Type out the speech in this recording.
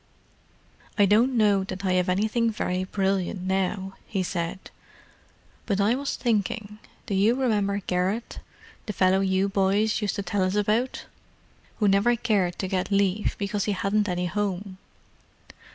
"I don't know that I have anything very brilliant now," he said. "But I was thinking—do you remember Garrett, the fellow you boys used to tell us about? who never cared to get leave because he hadn't any home."